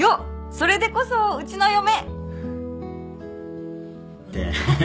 それでこそうちの嫁！ってハハ。